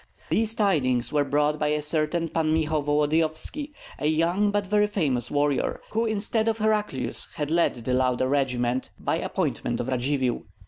These tidings were brought by a certain Pan Michael Volodyovski, a young but very famous warrior, who instead of Heraclius had led the Lauda regiment by appointment of Radzivill.